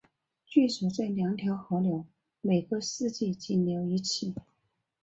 据说这两条河流每个世纪仅流一次。